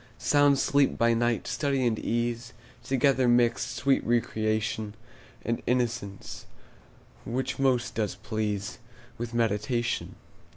Sound sleep by night; study and ease Together mixed; sweet recreation, And innocence, which most does please With meditation.